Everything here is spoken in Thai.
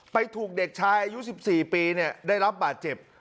ไปถูกเด็กชายอายุสิบสี่ปีเนี่ยได้รับบาดเจ็บ